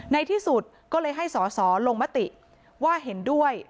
ในที่สุดก็เลยให้สอสอลงมติว่าเห็นด้วย